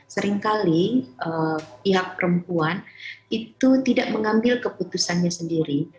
seringkali pihak perempuan itu tidak mengambil keputusannya sendiri